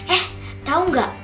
eh tau nggak